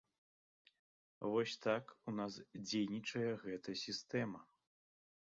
Вось так у нас дзейнічае гэта сістэма.